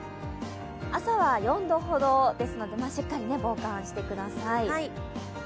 朝は４度ほどですので、しっかり防寒してください。